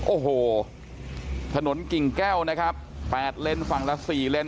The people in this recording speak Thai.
โอ้โหถนนกิ่งแก้วนะครับ๘เลนส์ฝั่งละ๔เลน